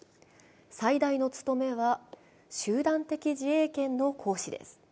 最大の務めは集団的自衛権の行使です。